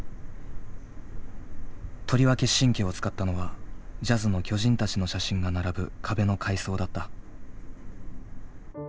とりわけ神経を使ったのはジャズの巨人たちの写真が並ぶ壁の改装だった。